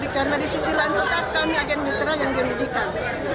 karena di sisi lain tetap kami agen mitra yang diberikan